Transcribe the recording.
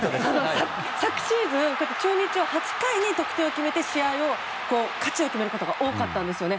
昨シーズン、中日は８回に点を入れて試合を、勝ちを決めることが多かったんですね。